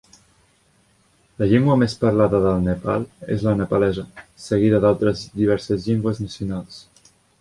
La llengua més parlada del Nepal és la nepalesa, seguida d'altres diverses llengües nacionals.